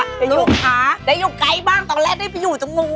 เป็นลูกค้าได้อยู่ไกลบ้างตอนแรกได้ไปอยู่ตรง